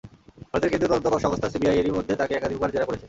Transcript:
ভারতের কেন্দ্রীয় তদন্ত সংস্থা সিবিআই এরই মধ্যে তাঁকে একাধিকবার জেরা করেছে।